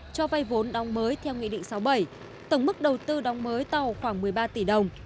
cho vay vốn đóng mới theo nghị định sáu mươi bảy tổng mức đầu tư đóng mới tàu khoảng một mươi ba tỷ đồng